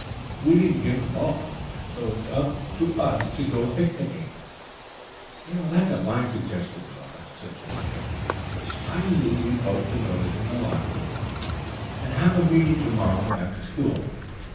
We didn't give the ball, so it's up to us to go picnicking." "That's a fine suggestion, Nora," said Jessica. "I move we post a notice in the locker room and have a meeting to morrow after school.